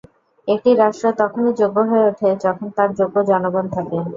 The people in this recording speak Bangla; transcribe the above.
একটি রাষ্ট্র তখনই যোগ্য হয়ে ওঠে যখন তাঁর যোগ্য জনগণ থাকে।